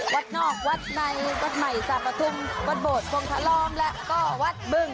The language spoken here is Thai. วัดนอกวัดในวัดใหม่สาปฐุมวัดโบดทรงพระลอมแล้วก็วัดบึง